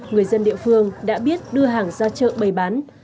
người dân địa phương đã biết đưa hàng ra chợ bày bán